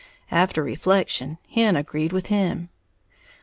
After reflection, Hen agreed with him.